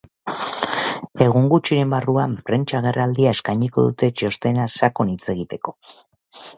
Egun gutxiren buruan prentsa agerraldia eskainiko dute txostenaz sakon hitz egiteko.